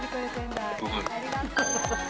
ありがとう！